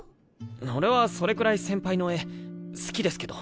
俺はそれくらい先輩の絵好きですけど。